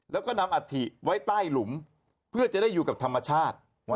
แล้วก็นำอัฐิไว้ใต้หลุมเพื่อจะได้อยู่กับธรรมชาติ